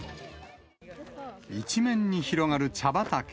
一面に広がる茶畑。